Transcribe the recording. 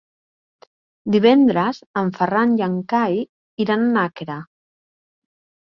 Divendres en Ferran i en Cai iran a Nàquera.